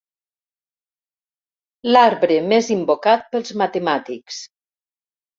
L'arbre més invocat pels matemàtics.